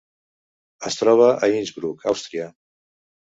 Es troba a Innsbruck, Àustria.